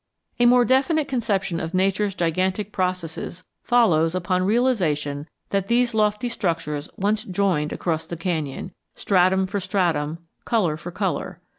A more definite conception of Nature's gigantic processes follows upon realization that these lofty structures once joined across the canyon, stratum for stratum, color for color.